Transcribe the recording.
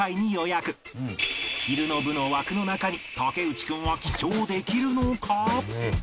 昼の部の枠の中に竹内君は記帳できるのか？